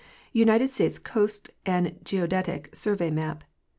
United States Coast and Geodetic Survey Map.